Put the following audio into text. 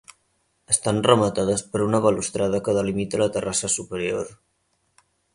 Estan rematades per una balustrada que delimita la terrassa superior.